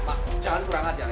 pak jangan kurang asian ya